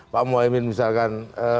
pak muhyiddin misalkan